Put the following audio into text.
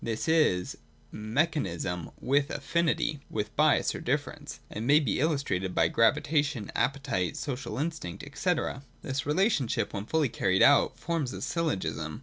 This is (2) Mechanism with Affinity (with bias, or ' difference '), and may be illustrated by gravitation, appetite, social instinct, &c. 197.] This relationship, when fully carried out, forms a syllogism.